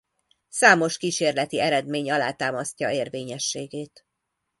Számos kísérleti eredmény alátámasztja érvényességét.